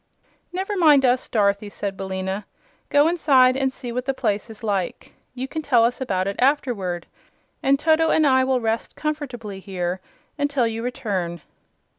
"Never mind us, Dorothy," said Billina. "Go inside and see what the place is like. You can tell us about it afterward, and Toto and I will rest comfortably here until you return."